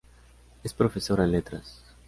Es profesora en Letras.